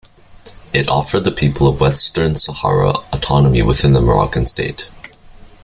It offered the people of Western Sahara autonomy within the Moroccan state.